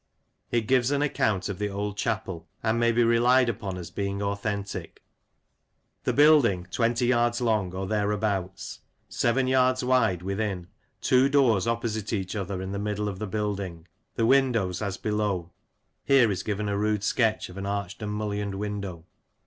It gives an account of the old chapel, and may be relied upon as being authentic "The Building, 20 yds. long, or thereabouts ; 7 yds. wide within. 2 Doors opposite each other in the Middle of the Building. The Windows as below. [Here is given a rude sketch of an arched and mullioned window.